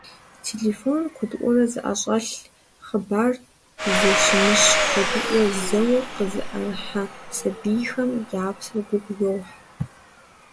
Телефоныр куэдыӀуэрэ зыӀэщӀэлъ, хъыбар зэщымыщ куэдыӀуэ зэуэ къызыӀэрыхьэ сабийхэм я псэр гугъу йохь.